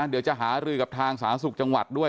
เดี๋ยวจะหารือกับทางสาธารณสุขจังหวัดด้วย